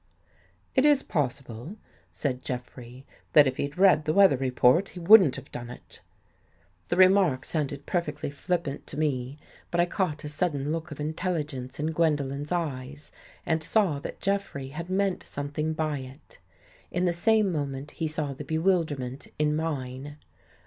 " It Is possible," said Jeffrey, " that If he'd read the weather report, he wouldn't have done it." The remark sounded perfectly flippant to me, but I caught a sudden look of Intelligence In Gwendolen's eyes and saw that Jeffrey had meant something by It. In the same moment he saw the bewilderment In mine.